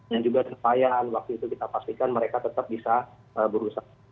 yang juga terpayan waktu itu kita pastikan mereka tetap bisa berusaha